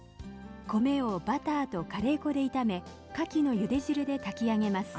米をバターとカレー粉で炒めかきのゆで汁で炊き上げます。